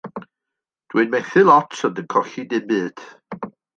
Dw i'n methu lot ond yn colli dim byd.